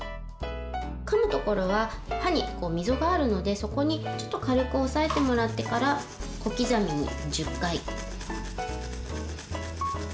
かむところは歯に溝があるのでそこにちょっと軽く押さえてもらってから小刻みに１０回。